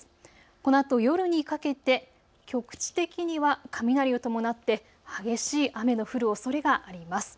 このあと夜にかけて局地的には雷を伴って激しい雨の降るおそれがあります。